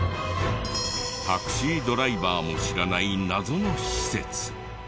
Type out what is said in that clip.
タクシードライバーも知らない謎の施設。